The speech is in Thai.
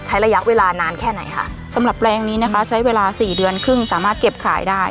ระยะเวลานานแค่ไหนค่ะสำหรับแปลงนี้นะคะใช้เวลาสี่เดือนครึ่งสามารถเก็บขายได้